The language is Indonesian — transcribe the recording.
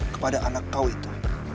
kepada anak kau itu